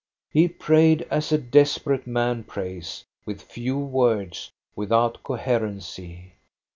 He prayed as a desperate man prays, with few words, without coherency.